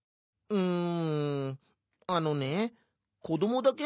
うん？